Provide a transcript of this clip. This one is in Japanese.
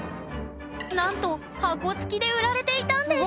なんと箱つきで売られていたんです！